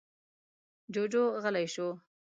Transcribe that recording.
جوجو غلی شو.